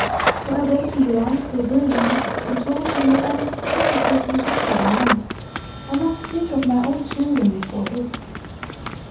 So I wrote to your uncle William, and told him that I must positively have that money. I must think of my own children before his.